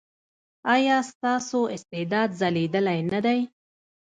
ایا ستاسو استعداد ځلیدلی نه دی؟